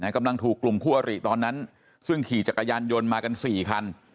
กำลังถูกกลุ่มคู่อริตอนนั้นซึ่งขี่จักรยานยนต์มากัน๔คัน